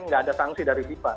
nggak ada sanksi dari fifa